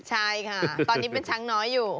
ใช่ค่ะตอนนี้เป็นช้างน้อยอยู่